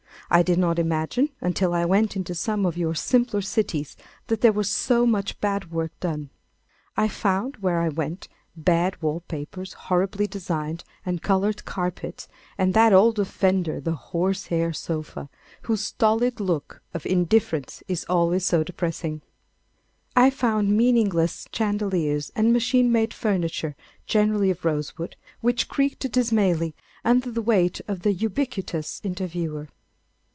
I did not imagine, until I went into some of your simpler cities, that there was so much bad work done. I found, where I went, bad wall papers horribly designed, and coloured carpets, and that old offender the horse hair sofa, whose stolid look of indifference is always so depressing. I found meaningless chandeliers and machine made furniture, generally of rosewood, which creaked dismally under the weight of the ubiquitous interviewer.